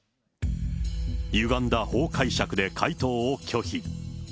ゆがんだ法解釈で回答を拒否。